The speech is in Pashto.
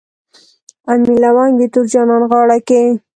امیل لونګ د تور جانان غاړه کي